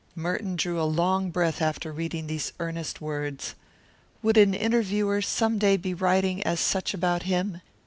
Merton drew a long breath after reading these earnest words. Would an interviewer some day be writing as much about him?